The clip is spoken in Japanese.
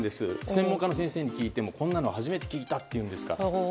専門家の先生に聞いてもこんなの初めて聞いたと言うんですから。